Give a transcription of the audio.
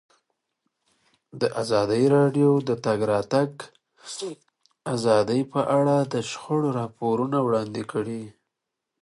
ازادي راډیو د د تګ راتګ ازادي په اړه د شخړو راپورونه وړاندې کړي.